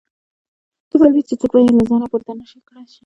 دومره وي چې څوک به يې له ځايه پورته نه کړای شي.